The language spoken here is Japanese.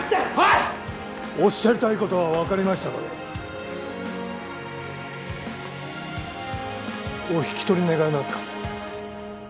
おっしゃりたいことは分かりましたので、お引き取り願えますか。